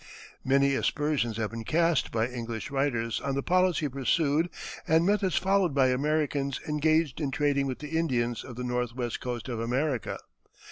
Many aspersions have been cast by English writers on the policy pursued and methods followed by Americans engaged in trading with the Indians of the northwest coast of America.